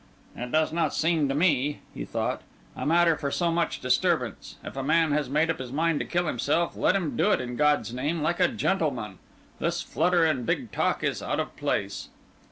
"It does not seem to me," he thought, "a matter for so much disturbance. If a man has made up his mind to kill himself, let him do it, in God's name, like a gentleman. This flutter and big talk is out of place."